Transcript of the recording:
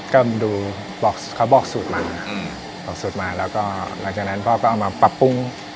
ก็ดูบอกเขาบอกสูตรมาบอกสูตรมาแล้วก็หลังจากนั้นพ่อก็เอามาปรับปรุง